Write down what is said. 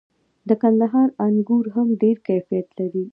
د کندهار انګور هم ډیر کیفیت لري.